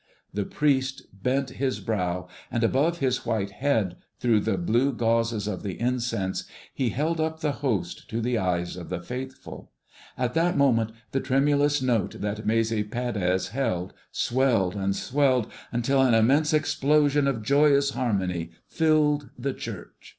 The priest bent his brow, and above his white head, through the blue gauzes of the incense, he held up the Host to the eyes of the faithful. At that moment the tremulous note that Maese Pérez held swelled and swelled until an immense explosion of joyous harmony filled the church.